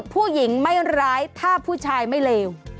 ผู้หญิงไม่ร้ายถ้าผู้ชายไม่เลว